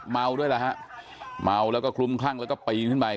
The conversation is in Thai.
เมาด้วยแล้วฮะเมาแล้วก็คลุมคลั่งแล้วก็ปีนขึ้นไป